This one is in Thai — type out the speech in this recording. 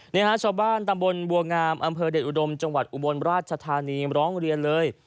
นี่ฮะชาวบ้านตำบลบัวงามอำเภอเดชอุดมจังหวัดอุบลราชธานีร้องเรียนเลย